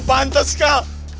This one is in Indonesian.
gua pantes kak